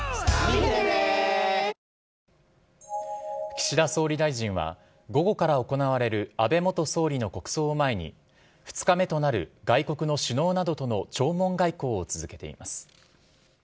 岸田総理大臣は、午後から行われる安倍元総理の国葬を前に、２日目となる外国の首脳などとの弔問外交を続けています。